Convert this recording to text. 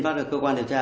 phát ra cơ quan điều tra